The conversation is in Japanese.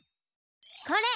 これ！